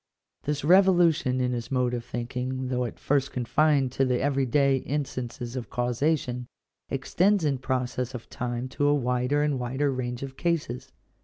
This revolution in his mode of thinking, though at first confined to the every day in stances of causation, extends in process of time to a wider and wider range of cases.